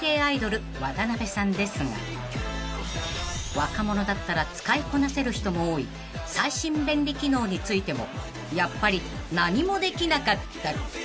［若者だったら使いこなせる人も多い最新便利機能についてもやっぱり何もできなかった］